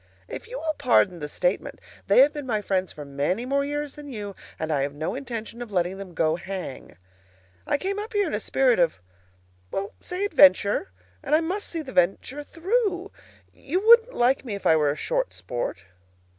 If you will pardon the statement, they have been my friends for many more years than you, and I have no intention of letting them go hang. I came up here in a spirit of well, say adventure, and I must see the venture through. You wouldn't like me if I were a short sport.